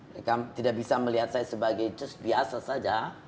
mereka tidak bisa melihat saya sebagai jus biasa saja